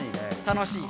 楽しい。